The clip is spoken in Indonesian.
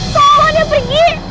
kau mau pergi